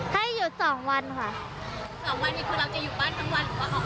ถ้าอยู่สองวันค่ะ